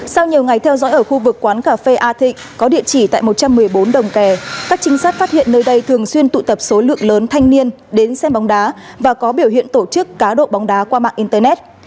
sau nhiều ngày theo dõi ở khu vực quán cà phê a thịnh có địa chỉ tại một trăm một mươi bốn đồng kè các trinh sát phát hiện nơi đây thường xuyên tụ tập số lượng lớn thanh niên đến xem bóng đá và có biểu hiện tổ chức cá độ bóng đá qua mạng internet